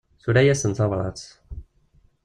Tura-asen tabrat.